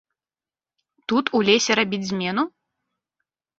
Тут у лесе рабіць змену?